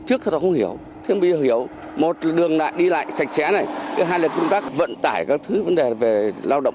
trước đó không hiểu thế bây giờ hiểu một là đường đi lại sạch sẽ này hai là công tác vận tải các thứ vấn đề về lao động